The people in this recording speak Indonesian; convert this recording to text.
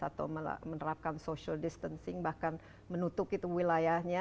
atau menerapkan social distancing bahkan menutup itu wilayahnya